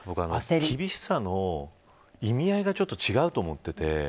厳しさの意味合いがちょっと違うと思っていて。